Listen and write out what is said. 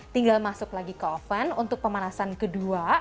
tinggal masuk lagi ke oven untuk pemanasan kedua